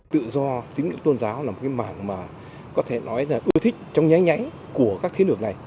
tự do tính đồ tôn giáo là một mảng mà có thể nói là ưa thích trong nháy nháy của các thiết lược này